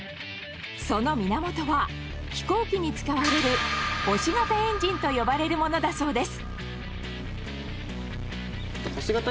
その源は飛行機に使われる「星形エンジン」と呼ばれるものだそうです。